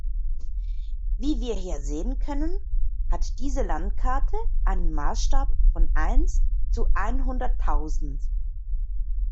Wie wir hier sehen können, hat diese Landkarte einen Maßstab von eins zu einhunderttausend.